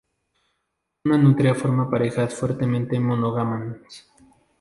Esta nutria forma parejas fuertemente monógamas.